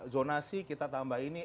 zonasi kita tambahkan